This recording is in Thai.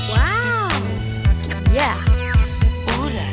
ว้าว